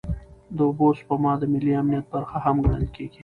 د اوبو سپما د ملي امنیت برخه هم ګڼل کېږي.